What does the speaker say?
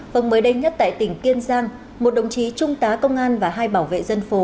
và mới đây nhất tại tỉnh kiên giang một đồng chí trung tá công an và hai bảo vệ dân phố